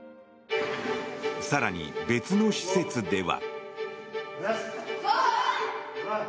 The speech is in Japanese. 更に、別の施設では。